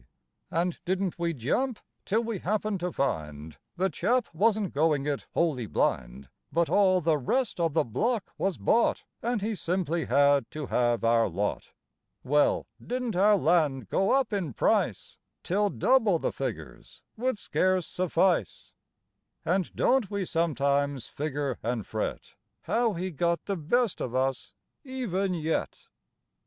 And didn't we jump till we happened to find The chap wasn't going it wholly blind, But all the rest of the block was bought And he simply had to have our lot. Well, didn't our land go up in price Till double the figures would scarce suffice? And don't we sometimes figure and fret How he got the best of us, even yet?